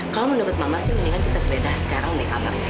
kalau menurut mama sih mendingan kita bedah sekarang deh kabarnya